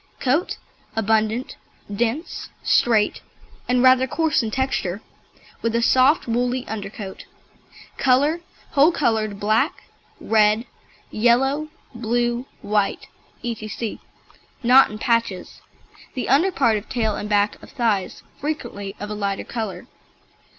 COAT Abundant, dense, straight, and rather coarse in texture, with a soft woolly undercoat. COLOUR Whole coloured black, red, yellow, blue, white, etc., not in patches (the under part of tail and back of thighs frequently of a lighter colour).